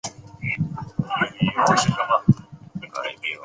野芝麻马蓝为爵床科马蓝属下的一个种。